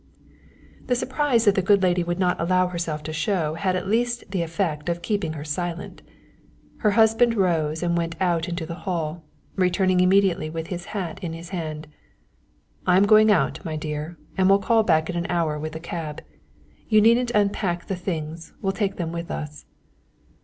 The surprise that the good lady would not allow herself to show had at least the effect of keeping her silent. Her husband rose and went out into the hall, returning immediately with his hat in his hand. "I am going out, my dear, and will call back in an hour with a cab. You needn't unpack the things, we'll take them with us."